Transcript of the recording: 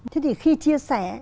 thế thì khi chia sẻ